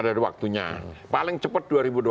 ada waktunya paling cepat dua ribu dua puluh empat